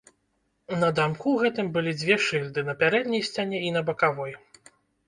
На дамку гэтым былі дзве шыльды на пярэдняй сцяне і на бакавой.